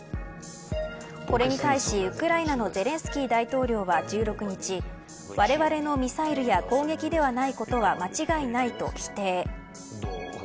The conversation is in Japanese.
これに対し、ウクライナのゼレンスキー大統領は１６日われわれのミサイルや攻撃ではないことは間違いないと否定。